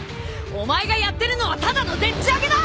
お前がやってるのはただのでっち上げだ！